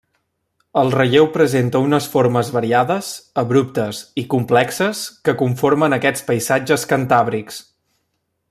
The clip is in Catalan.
El relleu presenta unes formes variades, abruptes i complexes que conformen aquests paisatges cantàbrics.